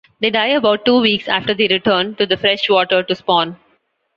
They die about two weeks after they return to the freshwater to spawn.